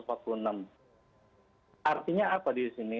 artinya apa di sini